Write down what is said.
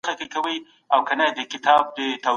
مثبت فکر بریالیتوب نه زیانمنوي.